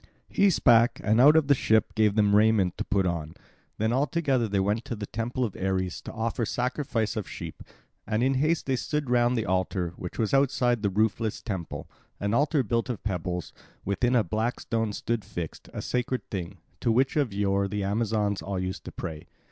He spake, and out of the ship gave them raiment to put on. Then all together they went to the temple of Ares to offer sacrifice of sheep; and in haste they stood round the altar, which was outside the roofless temple, an altar built of pebbles; within a black stone stood fixed, a sacred thing, to which of yore the Amazons all used to pray.